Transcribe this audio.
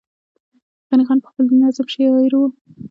غني خان پخپله د نظم شاعر وو